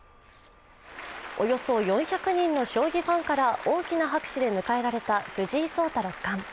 およそ４００人の将棋ファンから大きな拍手で迎えられた藤井聡太六冠。